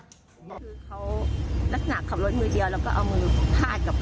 สรุปแล้วนี่เค้าเม้ายา